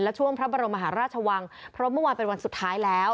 และช่วงพระบรมมหาราชวังเพราะเมื่อวานเป็นวันสุดท้ายแล้ว